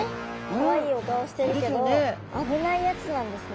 かわいいお顔しているけど危ないやつなんですね。